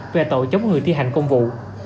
về tội chống người thi hành công vụ